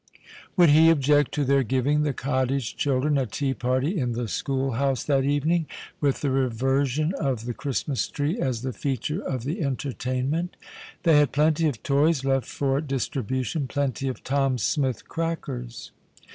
Would he object to their giving the cottage children a tea party in the schoolhouse that evening, with the reversion of the Christmas tree as the feature of the 164 The Christmas Hirelings. entertainment? They had plenty of toys left for dis tribution, plenty of Tom Smith crackers.